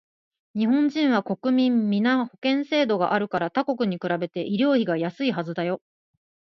日本人は国民皆保険制度があるから他国に比べて医療費がやすいはずだよ